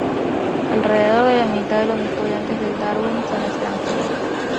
Alrededor de la mitad de los estudiantes del Darwin son extranjeros.